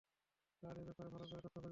হ্যাঁ তার ব্যপারে ভালো করে তথ্য খুজো।